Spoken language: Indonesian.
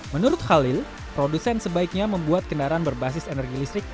menurut khalil produsen sebaiknya membuat kendaraan berbasis energi listrik